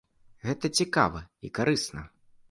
Гэта цікава і карысна.